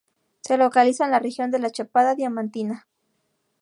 Se localiza en la región de la Chapada Diamantina.